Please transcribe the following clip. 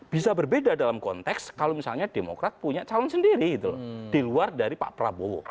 bisa berbeda dalam konteks kalau misalnya demokrat punya calon sendiri gitu loh di luar dari pak prabowo